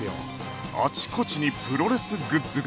あちこちにプロレスグッズが